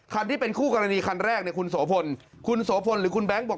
คันที่เป็นคู่กรณีคันแรกคุณโสภลคุณโสภลหรือคุณแบ๊งก์บอก